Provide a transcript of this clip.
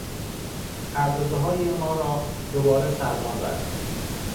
خربزههای ما را دوباره سرما زد.